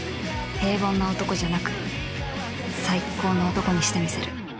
平凡な男じゃなく最高の男にしてみせる